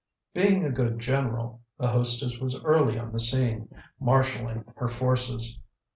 Being a good general, the hostess was early on the scene, marshaling her forces.